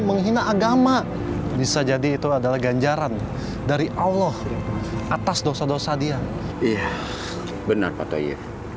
menghina agama bisa jadi itu adalah ganjaran dari allah atas dosa dosa dia iya benar atau iya